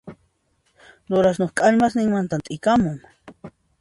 Durasnuqa k'allmastinmantan t'ikamun